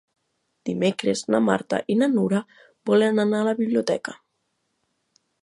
Dimecres na Marta i na Nura volen anar a la biblioteca.